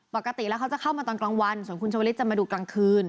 ปกติแล้วเขาจะเข้ามาตอนกลางวันส่วนคุณชวลิศจะมาดูกลางคืน